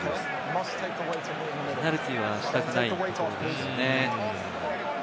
ペナルティーはしたくないところですよね。